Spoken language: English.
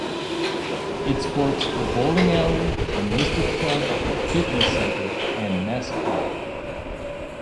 It sports a bowling alley, enlisted club, fitness center, and mess hall.